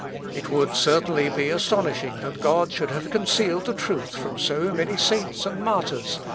It would, certainly, be astonishing that God should have concealed the truth from so many saints and martyrs